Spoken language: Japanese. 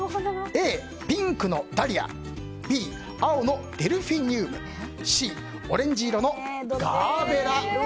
Ａ、ピンク色のダリアＢ、青色のデルフィニュウムＣ、オレンジ色のガーベラ。